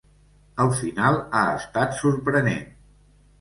El final ha estat sorprenent.